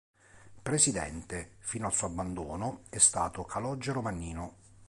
Presidente, fino al suo abbandono, è stato Calogero Mannino.